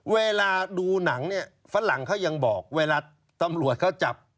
เวลาดูหนังเนี่ยฝรั่งเขายังบอกเวลาตำรวจเขาจับ